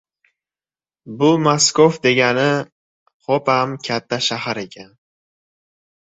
Bu Maskov degani xo‘pam katta shahar ekan.